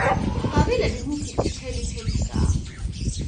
ყვავილები მუქი წითელი ფერისაა.